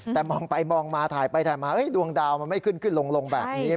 แต่มองไปมองมาถ่ายไปถ่ายมาดวงดาวมันไม่ขึ้นขึ้นลงแบบนี้